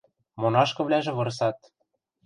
Монашкывлӓжӹ вырсат: